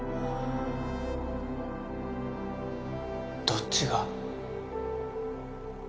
どっちが？